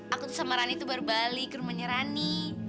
aku tuh sama rani tuh baru balik ke rumahnya rani